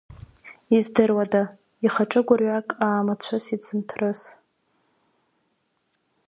Издыруада, ихаҿы гәырҩак аамацәысит зынҭрыс…